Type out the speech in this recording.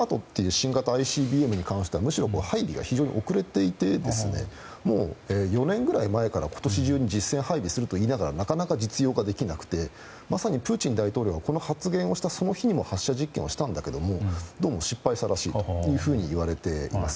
新型ＩＣＢＭに関してはむしろ配備が非常に遅れていて４年くらい前から今年中に実戦配備すると言いながらなかなか実用化できなくてまさにプーチン大統領はこの発言をしたその日に発射実験をしたんだけれどもどうも失敗したらしいといわれています。